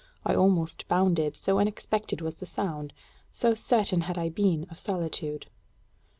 I almost bounded, so unexpected was the sound; so certain had I been of solitude.